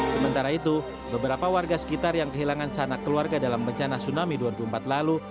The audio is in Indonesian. sementara itu beberapa warga sekitar yang kehilangan sanak keluarga dalam bencana tsunami dua puluh empat lalu